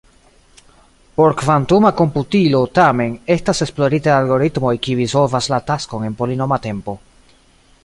Por kvantuma komputilo, tamen, estas esploritaj algoritmoj kiuj solvas la taskon en polinoma tempo.